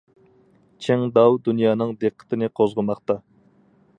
چىڭداۋ دۇنيانىڭ دىققىتىنى قوزغىماقتا.